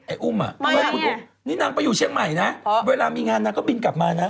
ไอ่อุ้มอะนี่นางไปอยู่เชียงใหม่นะเวลามีงานนักก็บินกลับมานะ